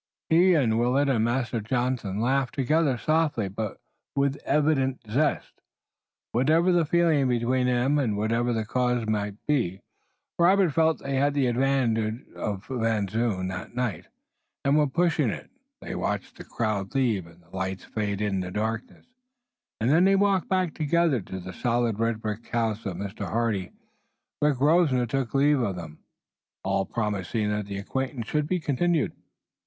He and Willet and Master Jonathan laughed together, softly but with evident zest. Whatever the feeling between them and whatever the cause might be, Robert felt that they had the advantage of Mynheer Van Zoon that night and were pushing it. They watched the crowd leave and the lights fade in the darkness, and then they walked back together to the solid red brick house of Mr. Hardy, where Grosvenor took leave of them, all promising that the acquaintance should be continued.